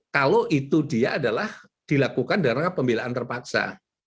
kalau itu dia adalah dilakukan dengan pembelaan terpaksa